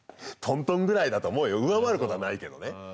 とんとんぐらいだと思うよ。上回ることはないけどね。